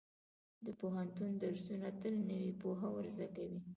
د پوهنتون درسونه تل نوې پوهه ورزده کوي.